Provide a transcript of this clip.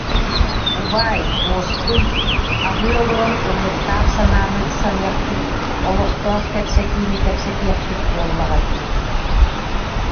Убаай, уоскуй, аһыы олорон ыллыктаах санааны саныахпыт, олохтоох кэпсэтиинии кэпсэтиэхпит буоллаҕа дии